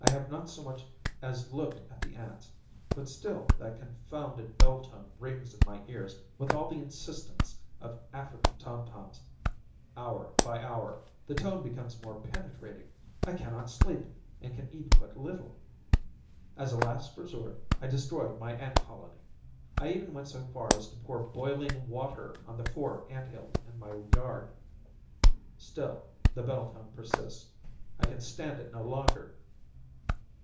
I have not so much as looked at the ants, but still that confounded bell tone rings in my ears with all the insistence of African tom toms. Hour by hour ... the tone becomes more penetrating. I cannot sleep, and can eat but little. As a last resort, I destroyed my ant colony. I even went so far as to pour boiling water on the four ant hills in my yard. Still ... the bell tone persists. I can stand it no longer!